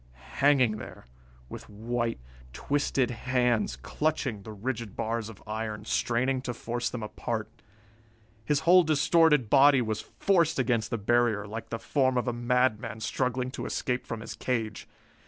Hanging there, with white, twisted hands clutching the rigid bars of iron, straining to force them apart. His whole distorted body was forced against the barrier, like the form of a madman struggling to escape from his cage.